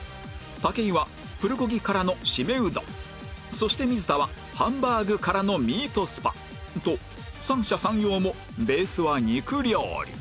武井はプルコギからのシメうどんそして水田はハンバーグからのミートスパと三者三様もベースは肉料理